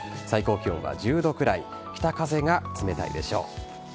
最高気温は１０度くらい、北風が冷たいでしょう。